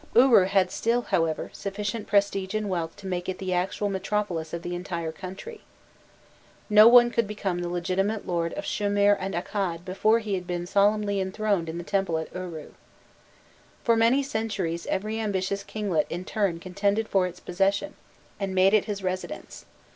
Uru had still, however, sufficient prestige and wealth to make it the actual metropolis of the entire country. No one could become the legitimate lord of Shumir and Accad before he had been solemnly enthroned in the temple at Uru. For many centuries every ambitious kinglet in turn contended for its possession and made it his residence.